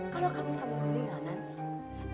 kalau kamu sama romin nggak nanti